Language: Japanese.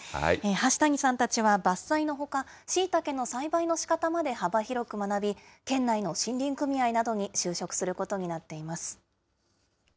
橋谷さんたちは、伐採のほか、しいたけの栽培のしかたまで幅広く学び、県内の森林組合などに就職することになっています。